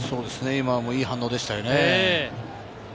今もいい反応でしたね。